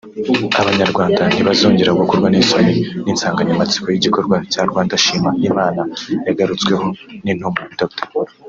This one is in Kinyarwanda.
“Abanyarwanda ntibazongera gukorwa n’isoni” ni insanganyamatsiko y’igikorwa cya Rwanda Shima Imana yagarutsweho n’Intumwa Dr